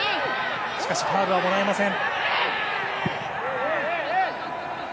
しかしファウルはもらえません。